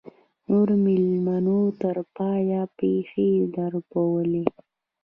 نورو مېلمنو تر پایه پښې دربولې.